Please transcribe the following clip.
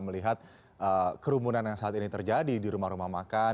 melihat kerumunan yang saat ini terjadi di rumah rumah makan